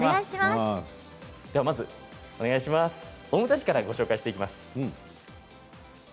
まず大牟田市からご紹介していきます。